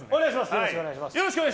よろしくお願いします！